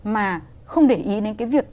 mà không để ý đến cái việc